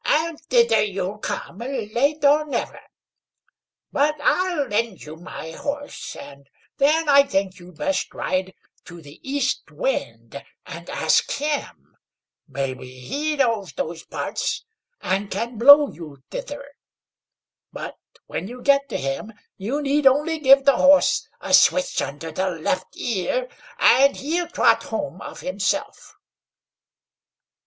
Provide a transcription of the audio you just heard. "And thither you'll come, late or never; but I'll lend you my horse, and then I think you'd best ride to the East Wind and ask him; maybe he knows those parts, and can blow you thither. But when you get to him, you need only give the horse a switch under the left ear, and he'll trot home of himself."